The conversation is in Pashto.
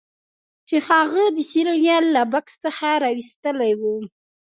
چې هغه د سیریل له بکس څخه راویستلی و